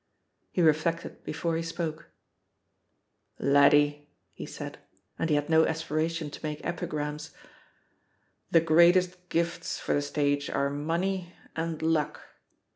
He reflected before he spoke. 8 THE POSITION OF PEGGY HARPER "Laddie," he said, and he had no aspiraticoi to make epigrams, "the greatest gifts for the stage are money, and luck.